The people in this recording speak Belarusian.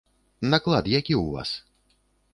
Наклад які ў вас?